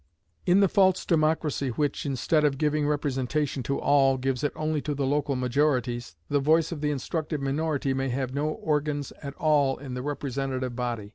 In the false democracy which, instead of giving representation to all, gives it only to the local majorities, the voice of the instructed minority may have no organs at all in the representative body.